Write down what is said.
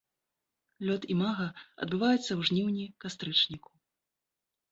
Лёт імага адбываецца ў жніўні-кастрычніку.